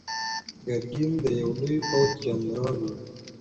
ګرګین د یوه لوی پوځ جنرال و.